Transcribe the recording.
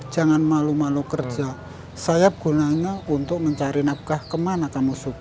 jangan malu malu kerja sayap gunanya untuk mencari nafkah kemana kamu suka